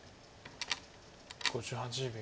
５８秒。